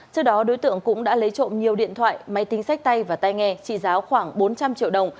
trước đó đối tượng cũng đã lấy trộm nhiều điện thoại máy tính sách tay và tay nghe trị giá khoảng bốn trăm linh triệu đồng